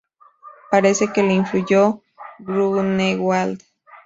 Parece que le influyó Grünewald.